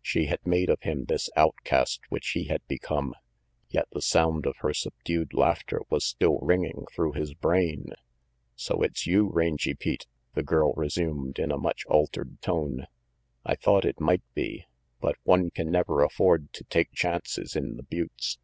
She had made of him this outcast which he had become; yet the sound of her subdued laughter was still ringing through his brain. "So it's you, Rangy Pete?" the girl resumed, in a much altered tone. "I thought it might be, but one can never afford to take chances in the buttes.